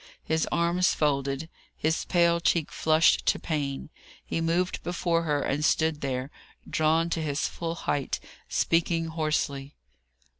His arms folded, his pale cheek flushed to pain, he moved before her, and stood there, drawn to his full height, speaking hoarsely.